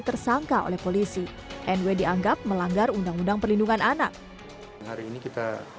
tersangka oleh polisi nw dianggap melanggar undang undang perlindungan anak hari ini kita